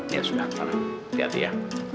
ya sudah hati hati ya